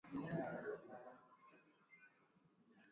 ina Mashariki na Magharibi na Asia na Ulaya Yake ya